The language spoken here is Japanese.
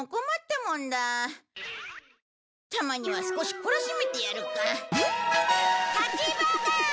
たまには少し懲らしめてやるか。